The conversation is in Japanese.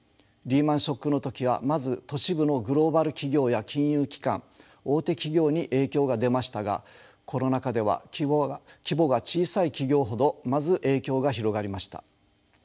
リーマンショックの時はまず都市部のグローバル企業や金融機関大手企業に影響が出ましたがコロナ禍では規模が小さい企業ほどまず影響が広がりました。